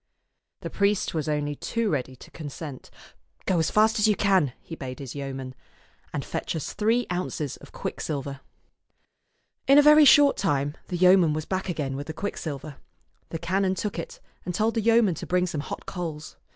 The priest was only too ready to consent. " Go as fast as ever you can," he bade his yeoman, " and fetch us three ounces of quicksilver." In a very short time the yeoman was back again with the quicksilver. The canon took it, and told the yeoman to bring some hot coals.